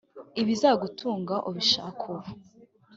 ibizagutunga ubishaka ubu